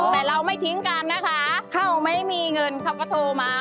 แต่เราไม่ทิ้งกันนะคะเขาไม่มีเงินเขาก็โทรมา